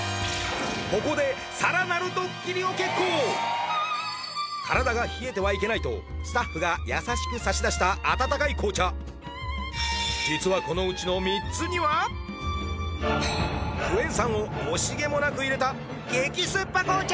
ここでさらなるドッキリを決行体が冷えてはいけないとスタッフが優しく差し出した温かい紅茶実はこのうちの３つにはクエン酸を惜しげもなく入れた激スッパ紅茶